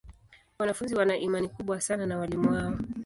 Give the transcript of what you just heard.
Wanafunzi wana imani kubwa sana na walimu wao.